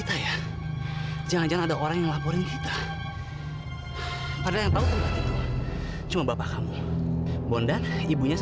saya nggak tahu